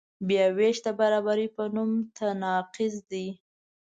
بیاوېش د برابرۍ په نوم تناقض دی.